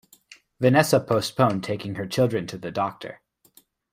Vanessa postponed taking her children to the doctor.